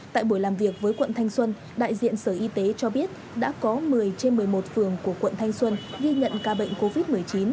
tại buổi làm việc với quận thanh xuân đại diện sở y tế cho biết đã có một mươi trên một mươi một phường của quận thanh xuân ghi nhận ca bệnh covid một mươi chín